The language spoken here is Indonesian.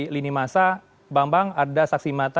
lini masa bang bang ada saksi mata